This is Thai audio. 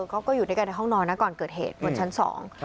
เขาก็อยู่ด้วยกันในห้องนอนนะก่อนเกิดเหตุบนชั้นสอง